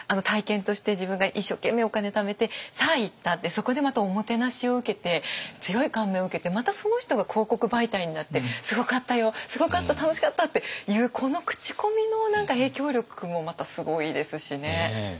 そこでまたおもてなしを受けて強い感銘を受けてまたその人が広告媒体になって「すごかったよ！すごかった！楽しかった！」っていうこの口コミの影響力もまたすごいですしね。